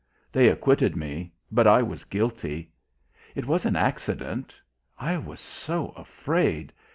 They acquitted me, but I was guilty. It was an accident. I was so afraid.